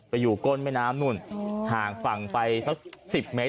อยู่ก้นแม่น้ำนู่นห่างฝั่งไปสัก๑๐เมตร